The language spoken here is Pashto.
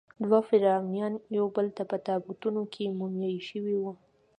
دوه فرعونیان یوبل ته په تابوتونو کې مومیایي شوي وو.